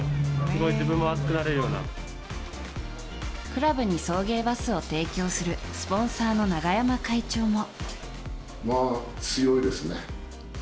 クラブに送迎バスを提供するスポンサーの永山会長も。